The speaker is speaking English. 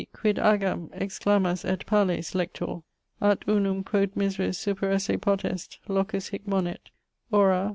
quid agam, exclamas et palles, Lector? At unum Quod miseris superesse potest, locus hic monet: ora.